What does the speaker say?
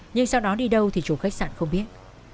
nhưng sau đó đi đâu thì chủ khách sạn không biết